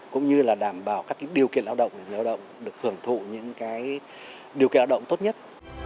cũng như là đảm bảo các điều kiện lao động để người lao động được hưởng thụ những điều kiện lao động tốt nhất